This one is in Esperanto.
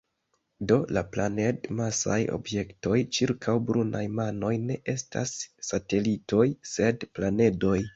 Do, la planed-masaj objektoj ĉirkaŭ brunaj nanoj ne estas satelitoj, sed planedoj.